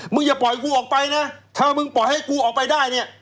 อย่าปล่อยกูออกไปนะถ้ามึงปล่อยให้กูออกไปได้เนี่ย